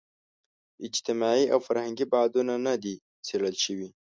اجتماعي او فرهنګي بعدونه نه دي څېړل شوي.